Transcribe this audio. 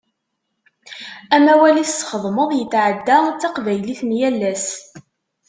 Amawal i tesxedmeḍ yetɛedda d taqbaylit n yal ass.